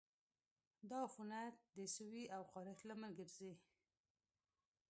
دا عفونت د سوي او خارښت لامل ګرځي.